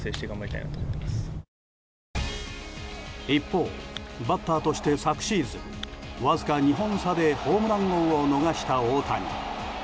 一方、バッターとして昨シーズンわずか２本差でホームラン王を逃した、大谷。